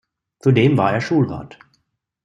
Zudem war er Schulrat.